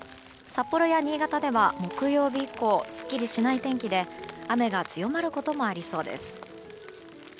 札幌や新潟では木曜日以降すっきりしない天気で雨が強まることもありそうです。